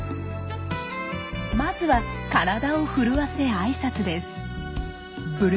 まずは体を震わせ挨拶です。